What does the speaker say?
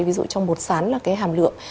ví dụ trong bột sắn là cái hàm lượng